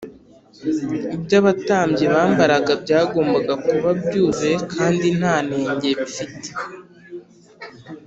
ibyo abatambyi bambaraga byagombaga kuba byuzuye kandi nta nenge bifite